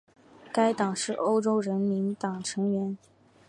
该党是欧洲人民党成员。